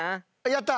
やった！